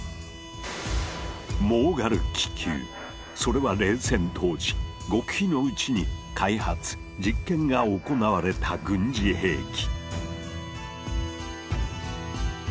それは冷戦当時極秘のうちに開発実験が行われた軍事兵器。